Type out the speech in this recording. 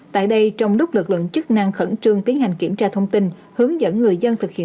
tại đây trong lúc lực lượng chức năng khẩn trương tiến hành kiểm tra thông tin hướng dẫn người dân thực hiện